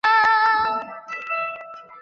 宋敬舆人。